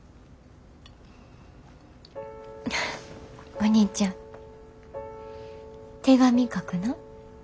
お兄ちゃん手紙書くな。